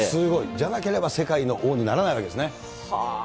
じゃなければ世界の王にならないわけですね。